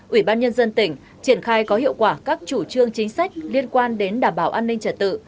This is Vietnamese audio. ủy ban nhân dân tỉnh triển khai có hiệu quả các chủ trương chính sách liên quan đến đảm bảo an ninh trật tự